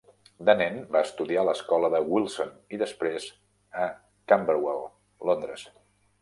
De nen va estudiar a l'escola de Wilson i després a Camberwell, Londres.